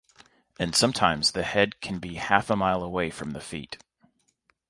And sometimes the head can be half a mile away from the feet.